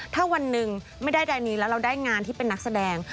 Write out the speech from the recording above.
ก็จริงไม่ได้ใดนี้แล้วเราได้งานที่เป็นนักแสดง